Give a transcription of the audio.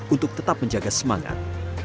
untuk tetap menjaga semangat